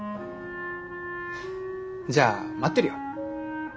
じゃあ待ってるよ。